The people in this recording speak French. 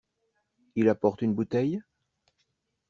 Il apporte une bouteille?